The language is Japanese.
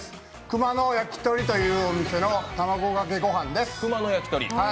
熊の焼鳥というお店のたまごかけご飯です。